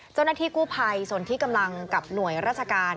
เจ้าหน้าที่กู้ภัยส่วนที่กำลังกับหน่วยราชการ